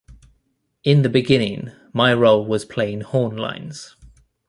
In the beginning, my role was playing horn lines.